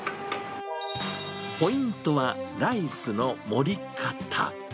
ポイントは、ライスの盛り方。